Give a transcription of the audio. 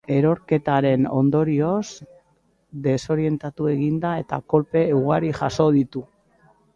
Erorketaren ondorioz, desorientatu egin da eta kolpe ugari jaso ditu.